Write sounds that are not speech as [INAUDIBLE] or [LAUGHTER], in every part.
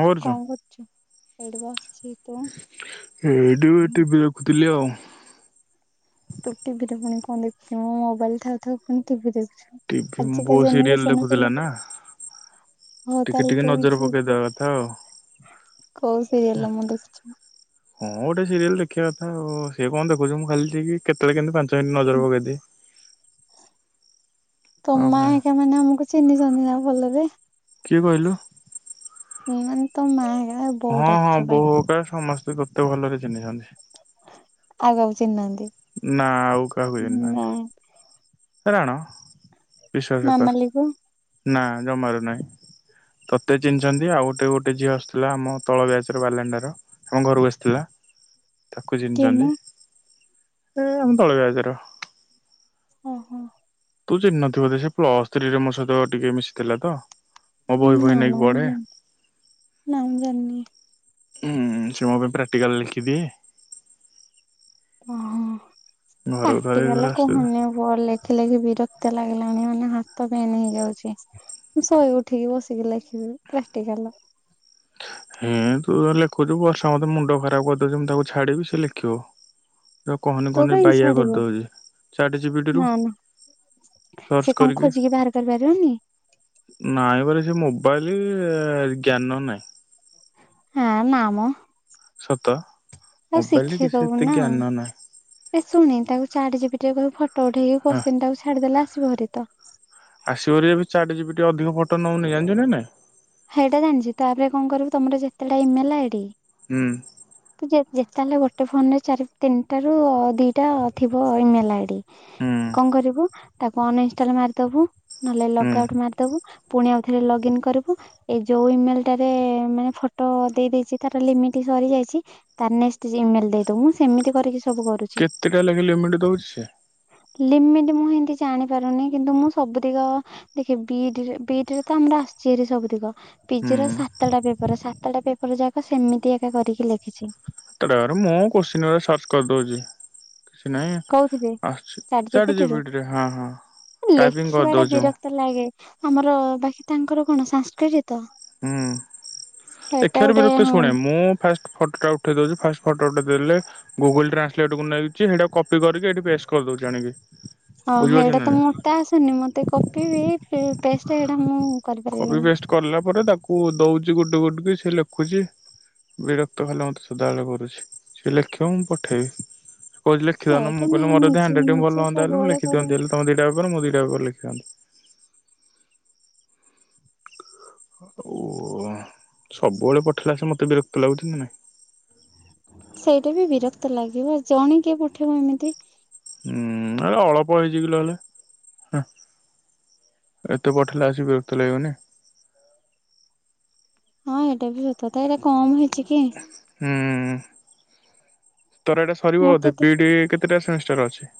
କଣ କରୁଛୁ? ଏଇଟି ବସିଚି ତୁ? ତିଲି ଆଉ ତୁ ଟିଭିରେ ପୁଣି କଣ ଦେଖଚୁ? ମୁ ମୋବାଇଲି ଥାଉ ଥାଉ ପୁଣି ଟିଭି ଦେଖୁଛୁ। ଟିଭି ମୋ ଆଜିିକା ବୋଉ ସିରିଏଲ ଜେନେରେସନ ର ଦେଖୁଥିଲା ପିଲା ନା ହଉ ଟିକେ ତାହଲେ ଟିକେ ତୋ ନଜର ଇଛା। ପକେଇଦବା କଥା ଆଉ। ହଁ ଗୋଟେ ସିରିଏଲ ଦେଖିବା କଥା ଆଉ। ସିଏ କଣ ଦେଖୁଛି ମୁଁ ଖାଲି ଟିକେ କେତେବେଳେ କେମତି ପାଞ୍ଚ ମିନିଟ୍ ନଜର ପକେଇଦିଏ। ତମ ଆଉ କଣ ମାଆ ଏଙ୍କା ମାନେ ଆମକୁ ଚିହ୍ନିଚନ୍ତି ନା ଭଲରେ? କିଏ କହିଲୁ? ମୁଁ ମାନେ ତୁମ ମା [UNINTELLIGIBLE] ହଁ ହଁ ବା ବୋଉ ଅପା ସମସ୍ତେ ତତେ ଭଲରେ ଚିହ୍ନିଛନ୍ତି। ଆଉ କାହାକୁ ଚିହ୍ନିନାହାନ୍ତି? ନା ଆଉ କାହାକୁ ଜାଣି ନାହାନ୍ତି। ରାଣ, ମାମାଲି କୁ ବିଶ୍ୱାସକର ନା ଜମାରୁ ନାହିଁ। ତତେ ଚିହ୍ନିଚନ୍ତି ଆଉ ଗୋଟେ ଗୋଟେ ଝିଅ ଆସୁଥିଲା ଆମ ତଳ ବ୍ୟାଚର ବାଲେଣ୍ଡାର। ଆମ ଘରକୁ ଆସିଥିଲା ତାକୁ କିଏ ଚିହ୍ନିଛନ୍ତି। ମୁଁ ଏ ଆମ ତଳ ବ୍ୟାଚ୍ ର। ଓ ହୋ ତୁ ଚିହ୍ନ ନଥିବୁ ବୋଧେ ସେ ପ୍ଲସ ଥ୍ରୀ ରେ ମୋ ସହିତ ଟିକେ ମିଶିଥିଲା ତ। ମୋ ବହି ଫହି ନା ନା ନେଇକି ମୁଁ ବଢେ। ଉଁ ଜାଣିନି। ନା ମୁଁ ଜାଣିନି ହୁଁ ସେ ମୋ ପାଇଁ ପ୍ରାକ୍ଟିକାଲ ଲେଖିକି ଦିଏ। ଓ ହୋ ଘରକୁ ଥରେ ଦି ପ୍ରାକ୍ଟିକାଲ ଥର ଆସେ। କୁହନି ଆଉ। ପୁଅ ଲେଖିଲେଖି ବିରକ୍ତି ଲାଗିଲାଣି ମାନେ ହାତ ପେନ୍ ହେଇଯାଉଚି। ମୁଁ ଶୋଇ ଉଠିକି ବସିକି ଲେଖିବି ପ୍ରାକ୍ଟିକାଲ। ହେଁ ତୁ ତୋର ଲେଖୁଛୁ ବର୍ଷା ମତେ ମୁଣ୍ଡ ଖରାପ କରିଦଉଛି ମୁଁ ତାକୁ ଛାଡିବି ସେ ଲେଖିବ। ତୁ ଆଉ କହନି ତୁ କହନି କାହିଁକି ବାଇଆ ଛାଡିବୁ କରିଦେଉଚି ଚାଟ୍ ଯିପିଟିରୁ। ନା ନା ସେ କଣ ଖୋଜିକି ବାହାର କରିପାରିବନି? ନାଇଁ ବରା ସିଏ ମୋବାଇଲି ଜ୍ଞାନ ନାହିଁ। ହେଁ ନାମ ସତ ଆଉ ମୋବାଇଲରେ କିଛି ଶିଖେଇଦବୁ ଏତେ ନା। ଜ୍ଞାନ ନାହିଁ। ଏ ଶୁଣ ନି ତାକୁ ଚାଟ୍ ଯିପିଟି ରେ କହିବୁ ଫଟୋ ଉଠେଇକି ହଁ କୋସ୍ଚିନ ଟାକୁ ଛାଡିଦେଲେ ଆସିବ ଭାରି ତ। ଆସିବରି ଏବେ ଚାଟ୍ ଯିପିଟି ଅଧିକ ଫୋଟ ନୋଉନି ଜାଣିଚୁ ନା ନାଇଁ? ଏହଟା ଜାଣିଚି ତାପରେ କଣ କରି ମୁଁ ତମର ତ ଯେତେ ଟାଇମ୍ ହେଲା ଏଇଠି। ହୁଁ ଉଁ [INAUDIBLE] ଯେ ଯେତେ ହେଲେ ଗୋଟେ ଫୋନରେ ଚାରି ତିନିଟା ର ଦିଟା ଥିବ ଇମେଲ ଆଇଡି ହୁଁ। କଣ କରିବୁ, ତାକୁ ଅନଇନଷ୍ଟାଲ ମାରିଦବୁ, ନହେଲେ ହୁଁ ଲଗାଉଟ ମା ଦବୁ ପୁଣି ଆଉଥରେ ଲଗ୍ ଇନ କରିବୁ। ଏଇ ଯୋଉ ଇମେଲ ଟାରେ, ମାନେ ଫଟୋ ଦେଇ ଦେଇଦେଇଛି ତାର ଲିମିଟ ସରି ଯାଇଛି। ତାର ନେଷ୍ଟ ଇମେଲ ଦେଇଦବୁ, ମୁଁ ସେମିତି କରିକି ସବୁ କରୁଛି କେତେ ଟା ଲେଖେ ଲିମିଟ ଦଉଛି ସିଏ? ଲିମିଟ ମୁଁ ଏମତି ଜାଣିପାରୁନି କିନ୍ତୁ ମୁଁ ସବୁ ତିକ ଦେଖେ ବିଟରେ ବିଟରେ ତ ଆମର ଆସିଛି ଏରି ସବୁ ଦିଗ। ପି ଜିର ହୁଁ। ସାତଟା ପେପର, ସାତଟା ପେପର ଯାକ ସେମିତି ଏକା କରିକି ଲେଖିଛି। କେତଟା [UNINTELLIGIBLE] ମୁଁ କୋଶ୍ଚିନ ଗୁରା ସର୍ଚ୍ଚ କରିଦଉଛି। କିଛି ନାହିଁ କୋଉଥିରେ ଆସିଛି ଚାଟ ଚାର୍ଟ ଜି ଜିପିଟିରୁ ପି ଟି ରେ ହଁ ହଁ। ଟାଇପିଂ ଲେଖିବା ଟା କରିଦଉଛି ମୁଁ ବିରକ୍ତ ଲାଗେ, ଆମର ବାକି ତାଙ୍କର କଣ ସାନସକ୍ରିଟ ତ ହୁଁ ସେଇଟା ଗୋଟେ ଏଖାରେ ହଁ ଶୁଣେ ମୁଁ ଫାଷ୍ଟ ଫଟୋଟା ଉଠେଇ ଦଉଚି, ଫାଷ୍ଟ ଫଟୋଟା ଉଠେଇ ଦେଲେ ଗୁଗୁଲ ଟ୍ରାନ୍ସଲେଟ କୁ ନେଇଛି, ହେଟା କପି କରିକି ଏଠି ପେଷ୍ଟ କରିଦଉଛି ଆଣିକି। ହ ବୁଝିପାରୁଛ ହେଇଟା ନା ତ ନାଇଁ ମତେ ଆସୁନି, ମତେ କପିବି ପେଷ୍ଟ ହେଇଟା ମୁଁ କବି କରିପାରିବିନି। ପେଷ୍ଟ କଲା ପରେ ତାକୁ ଦଉଛି ଗୋଟେ ଗୋଟେ ପିସ, ସେ ଲେଖୁଛି। ବିରକ୍ତ ଖାଲେ ମତେ ସଦାବେଳେ କରୁଛି ସିଏ ଲେଖିବ, ମୁଁ ପଠେଇବି। କହୁଛି ଲେଖି ଦଉନ, ଏଇଟା ମୁଁ କହିଲି ନାଇଁ ମୋର ଯଦି ନିଜେ ହାଣ୍ଡ ରାଇଟିଙ୍ଗ ନିଜେ ଭଲ ହୁଅନ୍ତା ବୋଲେ ମୁଁ ସବୁବେଳେ ଲେଖି କରିବା। ଦିଅନ୍ତି, ତମେ ଦିଟା ପେପର ମୁଁ ଦିଟା ପେପର ଲେଖିଥାନ୍ତି। ଓ ସବୁବେଳେ ପଠେଇଲା ସି ମତେ ବିରକ୍ତ ଲାଗୁଛି ନା ନାଇଁ ସେଇଟା ବି ବିରକ୍ତ ଲାଗିବ ଆଉ ଜଣେ କିଏ ପଠେଇବ ଏମିତି ହୁଁ ହେଲେ ଅଳ୍ପ ହେଇଯିବି ନ ହେଲେ ହଁ ଏତେ ପଠେଇଲା ସିଏ ବିରକ୍ତ ଲାଗିବନି? ହଁ ଏଇଟା ବି ସତକଥା, ଏଇଟା କମ ହେଇଛି କି? ହୁଁ, ତୋର ଏଇଟା ସରିବ ବୋଧେ, ମତେ ତ ବି ଡ଼ି ଡି କେତ କେତେଟା ସେମିଷ୍ଟାର ଅଛି?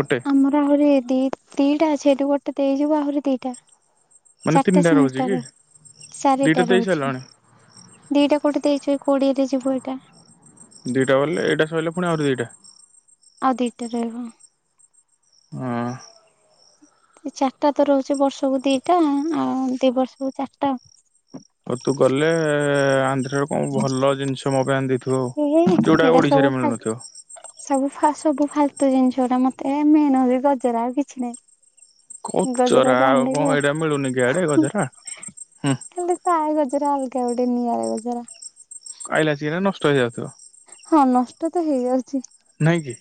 ଗୋଟେ ଆମର ଆହୁରି ଦି ଦିଟା ଅଛି, ଏଠୁ ଗୋଟେ ଦେଇଯିବୁ ଆହୁରି ଦିଟା ମାନେ ଚାରିଟା ତିନିଟା ରହୁଛି କି ସେମିଷ୍ଟାର, ଦିଟା ଚାରିଟା ଦେଇ ରହୁଛି। ସାରିଲଣି ଦିଟା କୋଟେ ଦେଇଛୁ, କୋଡିଏରେ ଯିବୁ ଏଇଟା ଦୁଇଟା ବଲେ ଏଇଟା ସଇଲେ ପୁଣି ଆଉ ଦୁଇଟା? ଆଉ ଦିଇଟା ରହିବ। ହୁଁ। ଚାରିଟା ତ ରହୁଛି ବର୍ଷକୁ ଦିଟା ଆଉ ଦି ବର୍ଷକୁ ଚାରିଟା। ଓ ତୁ ଗଲେ ଆନ୍ଧ୍ରରେ କଣ ଭଲ ଜିନିଷ ମୋ ପାଇଁ ଆନ୍ ଦେ ହେଁ ହେଡା ସବୁ ଖାଲ ସବୁ ସବୁ ଫାଲତୁ ଜିନିଷ ଗଟା ମତେ ମେନ ହଉଛି ଗଜର ଆଉ କିଛି ନାହିଁ। କଚରା ଗଜରାଟା ଆଉ କଣ ଏଇଟା ମିଳୁନି କି ଇଆଡେ ଆଣିଦେବି। ଗଜରା ହୁଁ [UNINTELLIGIBLE] ସାଏ ଗଜରା ଅଲଗା ଗୋଟେ ନିଆରା ଗଜରା। ଆଇଲା ଚିରା ନଷ୍ଟ ହେଇ ଯାଉଥିବ। ହଁ ନଷ୍ଟ ତ ହେଇଯାଉଛି। ନାଇଁ କି?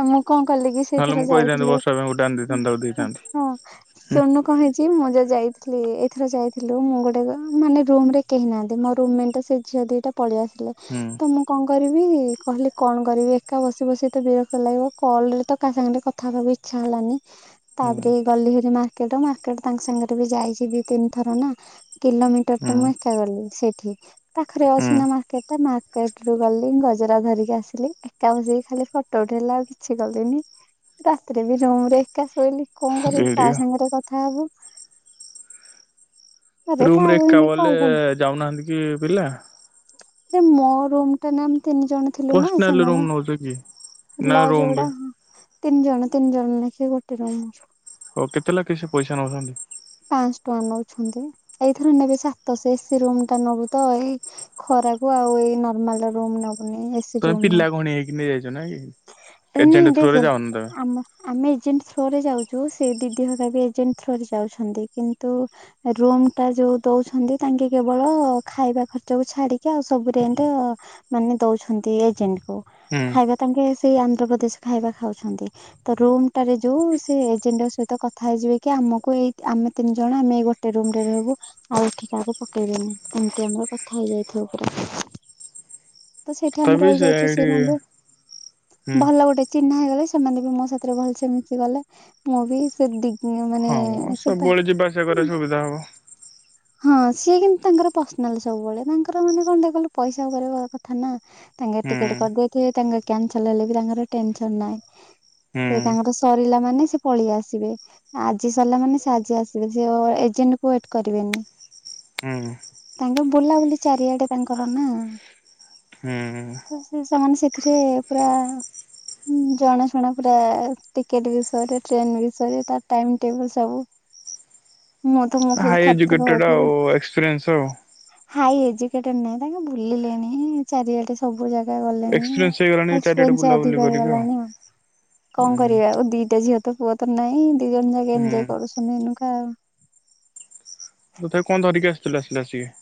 ଆଉ ମୁଁ କଣ କଲି କି ନହେଲେ ସେଇଥର ମୁଁ କହିଥାନ୍ତି ଯାଇଥିଲି ବର୍ଷା ପାଇଁ ଗୋଟେ ଆଣି ଦେଇଥାନ୍ତି ତାକୁ ଦେଇଥାନ୍ତି ହଁ ହୁଁ ସୋନୁ କହିଛି ମୁଁ ଯ ଯାଇଥିଲି ଏଇଥର ଯାଇଥିଲୁ ମୁଁ ଗୋଟେ ମାନେ ରୁମ ରେ କେହି ନାହାନ୍ତି ମୋ ରୁମ ମେଟ ସେ ଝିଅ ଦିଟା ପଳି ଆସିଲେ। ହୁଁ। ତ ମୁଁ କଣ କରିବି କହିଲି କଣ କରିବି ଏକା ବସିତ ବିରକ୍ ଭଲ ଲାଗିବ କଲ ରେ ତ କାହା ସାଙ୍ଗରେ କଥା ହବାକୁ ଇଚ୍ଛା ହେଲାନି ହୁଁ ତାପରେ ଗଲିହେରି ମାର୍କେଟ ମାର୍କେଟ ତାଙ୍କ ସାଙ୍ଗରେ ବି ଯାଇଛି ଦି ତିନି ଥର ନା କିଲୋମିଟରଟା ମୁଁ ହୁଁ ହେ ଗଲି ସେଇଠି। ପାଖରେ ଅଛି ନା ମାର୍କେଟ ଟା ମାର୍କେଟ ରୁ ଗଲି ଗଜରା ଧରିକି ଆସିଲି ଏକା ବସିକି ଖାଲି ଫ ଟୋ ଉଠେଇଲା ଆଉ କିଛି କଲିନି ରାତିରେ ବି ରୁମ ରେ ଏକା ଶୋଇଲି କଣ ହୁଁ କରିବି କାହା ସେଇଠିକା ସାଙ୍ଗେରେ ଗ ଥା ହବ। ରୁମ ରେ ଏକା ବୋଲେ କଲ ଫଲ ଯାଉନାହାନ୍ତି କି ପିଲା? ଏ ମୋ ରୁମ ଟା ନା ଆମେ ତିନି ଜଣ ଥିଲୁ ନା ସେମାନେ କହୁଛ କି? ନା ଲଜ ରୁମ ରେ ଗୁଡା ତିନି ଜଣ ତିନି ଜଣ ଲେଖେ ଗୋଟେ ରୁମ। ହଉ କେତେ ଲେକେ ସେ ପଇସା ନଉସନ୍ତି? ପାଂସ ଟଙ୍କା ନଉଛନ୍ତି ଏଇଥର ନେବେ ସାତଶ ଏ ସି ରୁମ ଟା ନବୁ ତ ଏଇ ଖରାକୁ ଆଉ ଏଇ ନର୍ମାଲ ରୁମ ନ ତମେ ପିଲା ଗଣି ହେଇକି ନେଇ ଯାଇଚ ନା କି? ଏ ଏଜେଣ୍ଟ ନାଇଁ ଥ୍ରୋରେ ଦେଖେ ଯାଉନ ଆ ତମେ ଆମ ଆମେ ଏଜେଣ୍ଟ ଥ୍ରୋ ରେ ଯାଉଚୁ ସେ ଦିଦି ହରା ବି ଏଜେଣ୍ଟ ଥ୍ରୋ ରେ ଯାଉଛନ୍ତି କିନ୍ତୁ ରୁମ ଟା ଯୋଉ ଦଉଛନ୍ତି ତାଙ୍କେ କେବଳ ଖାଇବା ଖର୍ଚ୍ଚକୁ ଛାଡିକି ଆଉ ସବୁ ରେଣ୍ଟ ମାନେ ଦଉଛନ୍ତି ଏଜେଣ୍ଟ କୁ। ହୁଁ ଇଏ ତାଙ୍କେ ସେଇ ଆନ୍ଧ୍ରପ୍ରଦେଶ ଖାଇବା ଖାଉଛନ୍ତି। ତ ରୁମ ଟାରେ ଯୋଉ ସେ ଏଜେଣ୍ଟଙ୍କ ସହିତ କଥା ହେଇଯିବେ କି ଆମକୁ ଏଇ ଆମେ ତିନି ଜଣ ଆମେ ଏଇ ଗୋ ଟେ ରୁମ ରେ ରହିବୁ ଆଉ ଏଠି କାହାକୁ ପକେଇବେନି ଏମତି ଆମର କଥା ହେଇ ଯାଇଥାଉ ପୁରା। ତ ସେଇଠି ଆମେ ତଥାପି ସେ ରହିଯାଉଚୁ ଏଇଠି ସେଇ ରୁମ ରେ। ହୁଁ ଭଲ ଗୋଟେ ଚିହ୍ନା ହେଇଗଲେ ସେମାନେ ବି ମୋ ସାଥିରେ ଭଲସେ ମିଶିଗଲେ ମୁଁ ବି ସେ ଦି ମାନେ ହଁ ସେ ବା ସବୁବେଳେ ଯିବା ଆସିବା କରିଆକୁ ସୁବିଧା ହବ। ହଁ ସିଏ କିନ୍ତୁ ତାଙ୍କର ପର୍ସନାଲ ସବୁବେଳେ ତାଙ୍କର ମାନେ କଣ ଦେ କଲୁ ପଇସା ଉପରେ କ-କଥା ନା। ତାଙ୍କେ ହୁଁ ଟିକେଟ କରଦେଇଥିବେ ତାଙ୍କର କ୍ୟାନସଲ ହେଲେ ବି ତାଙ୍କର ଟେନସନ ନାହିଁ। ହୁଁ ସେ ତାଙ୍କର ସରିଲା ମାନେ ସେ ପଳେଇ ଆସିବେ। ଆଜି ସରିଲା ମାନେ ସେ ଆଜି ଆସିବେ ସେ ଅ-ଏ-ଏଜେଣ୍ଟ କୁ ୱେଟ କରିବେନି। ହୁଁ। ତାଙ୍କେ ବୁଲା ବୁଲି ଚାରିଆଡେ ତାଙ୍କର ନା। ହୁଁ। ତ ସେ ସେମାନେ ସେଥିରେ ପୁରା ଉଁ ଜଣା ଶୁଣା ପୁରା ଟିକେଟ ବିଷୟରେ ଟ୍ରେନ ବିଷୟରେ ତାର ଟାଇମ ଟେବୁଲ ସବୁ। ମୁଁ ତ ମୁଁ ଖାଲି ଥ ସେଟା ଆଉ ଏକ୍ସପ୍ରେନ୍ସ ଆଉ। ହାଇ ଏଜୁକେଟେଡ ନାଇଁ ତାଙ୍କେ ବୁଲିଲେଣି। ଚାରିଆଡେ ସବୁ ଜାଗା ଗଲେଣି ଏକ୍ସପିରିଏନ୍ସ ହେଇଗଲାଣି ଚାରିଆଡେ ଏକ୍ସପ୍ରେନ୍ସ ବୁଲାବୁଲି ଅଧିକ କରିକି ହେଇଗଲାଣି ଆଉ। ଆଉ କଣ ହୁଁ କରିବେ ଆଉ ଦିଟା ଝିଅ ତ ପୁଅ ତ ନାଇଁ ଦି ଜଣ ଯାକ ଏଞ୍ଜୟ ହୁଁ କରୁସନ୍ତି ଏଉନୁକା ଆଉ। ତଥାପି କଣ ଧରିକି ଆସିଥିଲୁ ଆସିଲା ଆସିକି?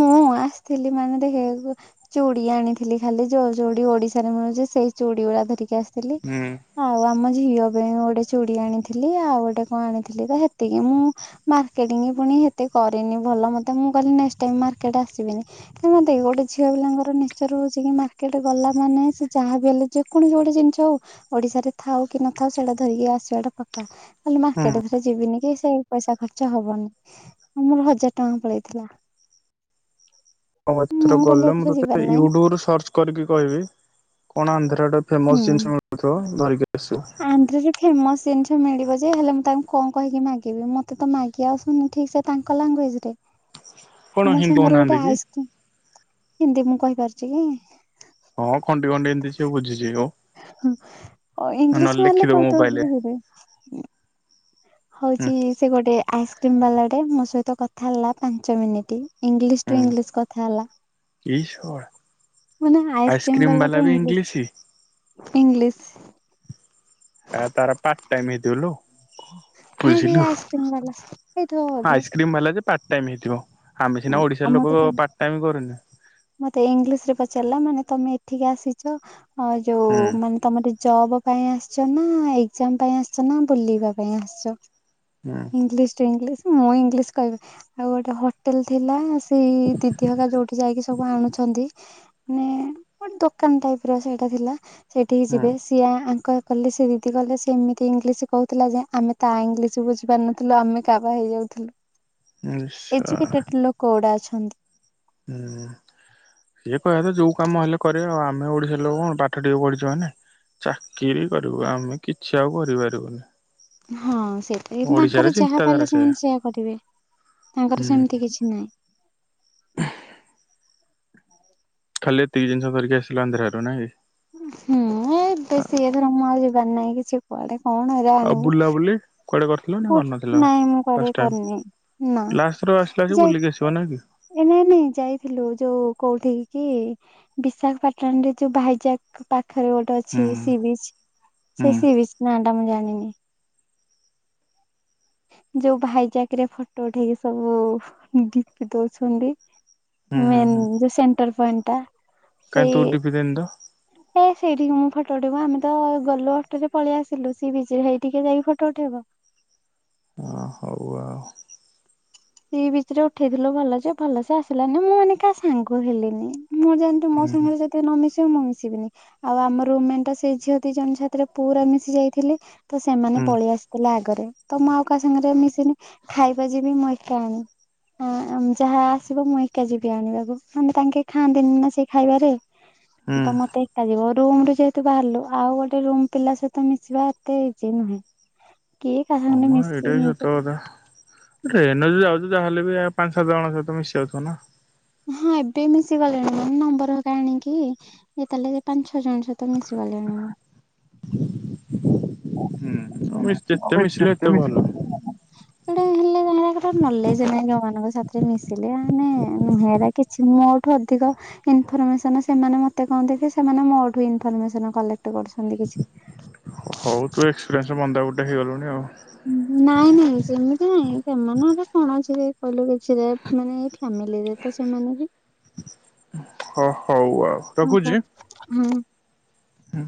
ମୁଁ ଆସଥିଲି ମାନେ ଦେଖେ ହେ ଗୁ ଚୁଡି ଆଣିଥିଲି ଖାଲି ଯୋଉ ଚୁଡି ଓଡିଶାରେ ମିଳୁଚି ସେଇ ଚୁଡି ଗୁଡା ଧରିକି ଆସ୍ ଥିଲି ହୁଁ ଆଉ ଆମ ଝିଅ ପେଇଁ ଗୋଟେ ଚୁଡ଼ି ଆଣିଥିଲି ଆଉ ଗୋଟେ କଣ ଆଣିଥିଲି ତ ହେତିକି ମୁଁ ମାର୍କେଟିଙ୍ଗି ଫୁଣି ହେତେ କରେନି ଭଲ ମତେ ମୁଁ କହିଲି ନେଷ୍ଟ ଟାଇମ୍ ମାର୍କେଟ ଆସିବିନି। [UNINTELLIGIBLE] ଦେଖେ ଗୋଟେ ଝିଅ ପିଲାଙ୍କର ନେଚର ହଉଚି କି ମାର୍କେଟ ଗଲା ମାନେ ସେ ଯାହା ବି ହେଲେ ଜୁ କୌଣସି ଗୋଟେ ଜିନିଷ ହଉ ଓଡିଶାରେ ଥାଉ କି ନଥାଉ ସେଇଟା ଧରିକି ଆସିବାଟା ପକା। କହିଲି ହୁଁ। ମାର୍କେଟ ଏଥର ଯିବିନି କି ସେଇ ପଇସା ଖର୍ଚ୍ଚ ହବନି ମୋର ହଜାର ଟଙ୍କା ପଳେଇଥିଲା। ହଉ ଏଥର କହିଲି ଗଲେ ମୁଁ ଏଥର ଯିବାର ତତେ ନାହିଁ ୟୁଟ୍ୟୁବୁ ରୁ ସର୍ଚ୍ଚ କରିକି କହିବି କଣ ଆନ୍ଧ୍ର ଆଡେ ଫେମସ ହୁଁ। ଜିନିଷ ମିଳୁଥିବ ଧରିକି ଆସିବୁ। ଆନ୍ଧ୍ରରେ ଫେମସ ଜିନିଷ ମିଳିବ ଯେ ହେଲେ ମୁଁ ତାଙ୍କୁ କଣ କହିକି ମାଗିବି ମତେ ତ ମା ଗି ଆସୁନି ଠିକ୍ ସେ ତାଙ୍କ ଲାଙ୍ଗୁଏଜ ରେ କଣ ମୋ ହିନ୍ଦୁ ସାଙ୍ଗରେ ହଉନାହାନ୍ତି ଗୋଟେ କି? ଆଇସ୍ ହିନ୍ଦୀ ମୁଁ କହିପାରୁଚି କି। ହଁ ଖଣ୍ଡି ଖଣ୍ଡି ହିନ୍ଦୀ ସେ ବୁଝି ଯିବ। ଇଂଲିଶ ମାରିଲେ ମୋବାଇଲରେ [UNINTELLIGIBLE] ହୁଁ ହଉଚି ସେ ଗୋଟେ ଆଇସ୍କ୍ରିମ୍ ବାଲାଟେ ମୋ ସହିତ କଥା ହେଲା ପାଞ୍ଚ ମିନିଟି। ଇଂଲିଶ ଟୁ ଇଂଲିଶ କଥା ହେଲା। ଇ ଶଳା। ମାନେ ଆଇସ୍କ୍ରିମ୍ ଆଇସ୍କ୍ରିମ ବାଲା ବାଲାଟେ ବି ଇଂଲିଶ ଇଂଲିଶ୍ ଇଂଲିଶ୍ ଆ ତାର ପାଟ ଟାଇମ୍ ହେଇଥିବ ଲୋ। ନାଇଁ ବେ ବୁଝିଲୁ ଆଇସ୍କ୍ରିମ୍ ବାଲା। ହେଇଥିବ ବୋଧେ। ସ୍କ୍ରୀମ ବାଲା ଯେ ପାର୍ଟ ଟାଇମ୍ ହେଇଥିବ। ଆମେ ସିନା ଆଉ ଓଡ଼ିଶାର ଲୋକ ମତେ ପାର୍ଟ ଟାଇମ୍ କରୁନେ। ମତେ ଇଂଲିଶ ରେ ପଚାରିଲା ମାନେ ତମେ ଏଠିକି ଆସିଚ ଯୋ ହୁଁ ମାନେ ତମେ ଏଠି ଜବ୍ ପାଇଁ ଆସିଚ ନା ଏକ୍ଜାମ୍ ପାଇଁ ଆସିଚ ନା ବୁଲିବା ପାଇଁ ଆସିଚ? ହୁଁ ଇଂଲିଶ ଟୁ ଇଂଲିଶ। ମୁଁ ଇଂଲିଶ କହିବି ଆଉ ଗୋଟେ ହ ହୋଟେଲ ଥିଲା ସେଇ ଦିଦି ହକା ଯୋଉଠି ଯାଇକି ସବୁ ଆଣୁଛନ୍ତି ମାନେ ଗୋଟେ ଦୋକାନ ଟାଇପ୍ ର ସେଇଟା ଥିଲା। ସେଇଠିିକି ହୁଁ। ଯିବେ। ସିଏ ଆଙ୍କ କଲେ ସେ ଦିଦି କହିଲେ ସେ ଏମିତି ଇଂଲିଶ କହୁଥିଲା ଯେ ଆମେ ତା ଇଂଲିଶ ବୁଝିପାରୁନ ଥିଲୁ ଆମେ କାବା ହେଇ ଯାଉଥିଲୁ। ଆରେ ଶଳା। ଲୋକଗୁଡା ଅଛନ୍ତି। ଉଁ। ସିଏ କହିବା କଥା ଯଉ କାମ ହେଲେ‌ କ କରିବେ। ଆମେ ଓଡିଶା ଲୋକ କଣ ପାଠ ଟିକେ ପଢିଚୁ ମାନେ ଚାକିରି କରିବୁ। ଆମେ କିଛି ଆଉ କରିପାରିବୁନି। ହଁ [UNINTELLIGIBLE] କିନ୍ତୁ ଓଡିଶାରେ ତାଙ୍କର ଯାହା ଚିନ୍ତାଧାରା ପାଇଲେ ସେୟା ସେମାନେ ସେଇଆ କରିବେ। ତାଙ୍କର ହୁଁ ସେମିତି କିଛି ନାଇଁ। ଖାଲି ଏତିକି ଜିନିଷ ଧରିକି ଆସିଲୁ ଆନ୍ଧ୍ରାରୁ ନା କି? ହୁଁ ଏବେ ସିଏ ଏଥର ମୁଁ ଆଉ ଯିବାର ନାଇଁ କି ସିଏ କୁଆଡେ କଣ ଏରା ଆଣିବୁ। କୁଆଡ଼େ କରିଥିଲ ନା ଗୁଡ୍ କରିନଥିଲ? ନାଇଁ ମୁଁ କୁଆଡେ ଫାଷ୍ଟ ଟାଇମ୍, କରିନି ନା ଲାଷ୍ଟଥର ଆସିଲା ଯେ ଯାଇ ବୁଲିକି ଆସିବ ନା କି? ଏ ନାଇଁ ନାଇଁ ଯାଇଥିଲୁ ଯଉ କୋଉଠିକି ବିଶାଖାପାଟଣାରେ ଯଉ ଭାଇଜାକ୍ ପାଖରେ ଗୋଟେ ହୁଁ ଅଛି ସି ବିଚ୍। ହୁଁ ସେ ସି ବିଚ୍ ନାଁ ଟା ମୁଁ ଜାଣିନି। ଯଉ ଭାଇଜାକ୍ ରେ ଫଟୋ ଉଠେଇକି ସବୁ ଡିପି ଦଉଛନ୍ତି। ହୁଁ ହୁଁ ମେନ୍ ଯଉ ସେଣ୍ଟର ପଏଣ୍ଟ ଟା। କାଇଁ ତୁ ଡିପି ଦେଇନୁ ତ? ହେ ସେଇଠିକି ମୁଁ ଫୋଟୋ ଉଠେଇବୁ କଣ ଆମେ ତ ଗଲୁ ଅଟୋ ରେ ପଳେଇ ଆସିଲୁ ସି ବିଚ୍ ହେଠି କିଏ ଯାଇକି ଫଟୋ ଉଠେଇବ। ଓ ହଉ ଆଉ। ସି ବିଚ୍ ରେ ଉଠେଇଥିଲୁ ଭଲ ଯେ ଭଲ ସେ ଆସିଲାନି। ମୁଁ ମାନେ କାହା ସାଙ୍ଗ ହେଲିନି। ମୁଁ ଯେନ୍ତି ମୋ ହୁଁ ସାଙ୍ଗରେ [UNINTELLIGIBLE] ଯଦି ନ ମିିଶିବୁ ମୁଁ ମିଶିବିନି। ଆଉ ଆମର ରୁମମେଟ୍ ସେଇ ଝିଅ ଦି ଜଣ ସାଥିରେ ପୁରା ମିଶି ଯାଇଥିଲି। ତ ସେମାନେ ହୁଁ ପଳେଇ ଆସିଥିଲେ ଆଗରେ। ତ ମୁଁ ଆଉ କାହା ସାଙ୍ଗରେ ମିଶିନି ଖାଇବା ଯିବି ମୁଁ ଏ କା ଆଣି। ଯାହା ଆସିବ ମୁଁ ଏକା ଯିବି ଆଣିବାକୁ। ମାନେ ତାଙ୍କେ ଖାଆନ୍ତିନି ନା ସେ ଖାଇବାରେ। ହୁଁ ତ ମତେ ଆଜି ମୋ ରୁମ୍ ରୁ ଯେହେତୁ ବାହାରିଲୁ ଆଉ ଗୋଟେ ରୁମ୍ ପିଲା ସହିତ ମିଶିବା ଏତେ ଇଜି ନୁହେଁ। କିଏ କାହା ହମ ସାଙ୍ଗେ। [UNINTELLIGIBLE] ଟ୍ରେନ୍ ରେ ଯଦି ଯାଉଚୁ ତାହେଲେ ବି ଆଉ ପାଞ୍ଚ ସାତ ଜଣଙ୍କ ସହିତ ମିଶି ଯାଉଥିବ ନା। ହଁ ଏବେ ମିଶି ଗଲିଣି। ମାନେ ନମ୍ବର ହେରିକା ଆଣିକି ଯେତେବେଳେ ପାଞ୍ଚ ଛଅ ଜଣ ତ ମିଶି ଗଲିଣି। [UNINTELLIGIBLE] ହୁଁ ମିଶ୍ ଯେତେ ଯୋଉଟା ହେଲେ ଯେ ମିଶିଲେ ଏତେ ଭଲ ହେରାଙ୍କର ନଲେଜ୍ ନାହିଁ ଯୋଉମାନଙ୍କ ସାଥିରେ ମିଶିଲି। ହେରା ମାନେ ନୁହେଁ ହେରା କିଛି। ମୋଠୁ ଅଧିକ ଇନଫରମେସନ ସେମାନେ ମତେ କଣ ଦେବେ, ସେମାନେ ମୋଠୁ ଇନଫରମେସନ କଲେକ୍ଟ କରୁଛନ୍ତି କିଛି। ହଉ ତୁ ଏକ୍ସପେରିଏନ୍ସ ବନ୍ଦା ଗୋଟେ ହେଇଗଲୁଣି ଆଉ। ନାଇଁ ନାଇଁ ସେମିତି ନାଇଁ। ସେମାନେ କଣ ଅଛି କହିଲୁ କିଛିରେ ମାନେ ଏ ଫ୍ୟାମିଲିରେ ତ ସେମାନେ ବି ହ ହଉ ଉୁଁ ଠ ଉୁଁ ଉୁଁ।